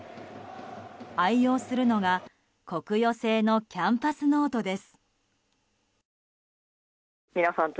愛用するのが、コクヨ製のキャンパスノートです。